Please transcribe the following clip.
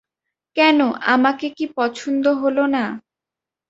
কেন, আমাকে কি পছন্দ হল না।